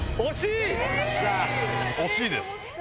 惜しいです。